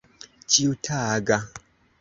ĉiutaga